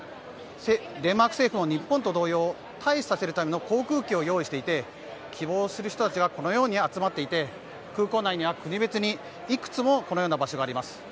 デンマーク政府も日本と同様退避させるための航空機を用意していて希望する人たちがこのように集まっていて空港内には国別に幾つもこのような場所があります。